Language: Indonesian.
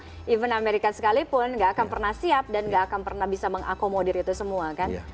even amerika sekalipun nggak akan pernah siap dan nggak akan pernah bisa mengakomodir itu semua kan